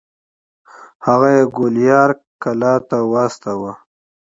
هغه یې ګوالیار قلعې ته واستوه.